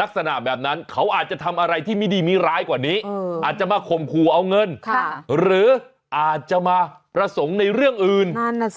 ลักษณะแบบนั้นเขาอาจจะทำอะไรที่ไม่ดีไม่ร้ายกว่านี้อาจจะมาข่มขู่เอาเงินหรืออาจจะมาประสงค์ในเรื่องอื่น